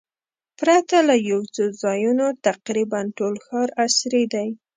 پرته له یو څو ځایونو تقریباً ټول ښار عصري دی.